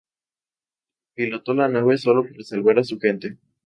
Pilotó la nave solo para salvar a su gente.